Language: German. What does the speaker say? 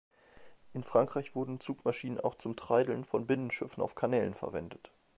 In Frankreich wurden Zugmaschinen auch zum Treideln von Binnenschiffen auf Kanälen verwendet.